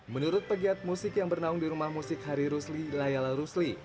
menurut pegiat musik yang bernaung di rumah musik hari rusli layala rusli